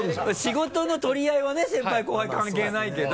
仕事の取り合いはね先輩後輩関係ないけど。